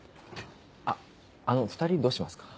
あっあの２人どうしますか？